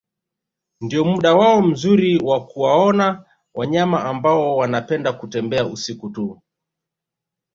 Ndio muda wao mzuri wa kuwaona wanyama ambao wanapenda kutembea usiku tu